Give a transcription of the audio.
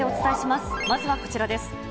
まずはこちらです。